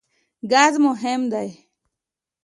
ګاز مهم دی.